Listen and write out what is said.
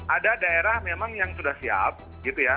ada daerah memang yang sudah siap gitu ya